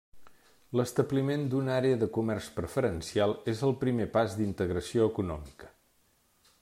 L'establiment d'una àrea de comerç preferencial és el primer pas d'integració econòmica.